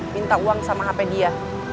minta uang sama hp dia